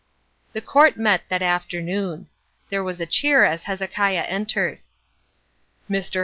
The court met that afternoon. There was a cheer as Hezekiah entered. "Mr.